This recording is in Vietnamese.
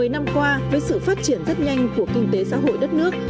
một mươi năm qua với sự phát triển rất nhanh của kinh tế xã hội đất nước